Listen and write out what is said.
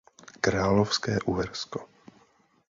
Královské Uhersko.